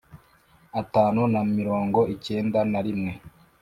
atanu na mirongo icyenda na rimwe